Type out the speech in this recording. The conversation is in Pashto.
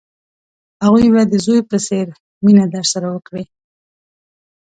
هغوی به د زوی په څېر مینه درسره وکړي.